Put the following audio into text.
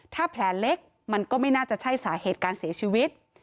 ถ้าแผลเล็กมันก็ไม่น่าจะใช่สาเหตุการเสียชีวิต